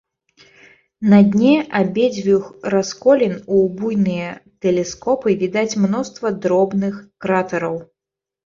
На дне абедзвюх расколін у буйныя тэлескопы відаць мноства дробных кратэраў.